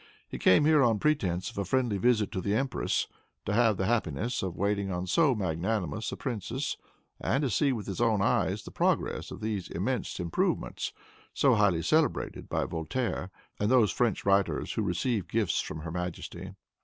He came here on pretense of a friendly visit to the empress; to have the happiness of waiting on so magnanimous a princess, and to see, with his own eyes, the progress of those immense improvements, so highly celebrated by Voltaire and those French writers who receive gifts from her majesty.